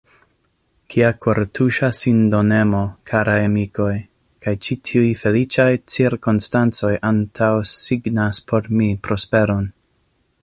Via kortuŝa sindonemo, karaj amikoj, kaj ĉi tiuj feliĉaj cirkonstancoj antaŭsignas por mi prosperon.